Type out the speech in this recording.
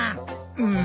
うん。